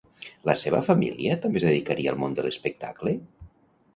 La seva família també es dedicaria al món de l'espectacle?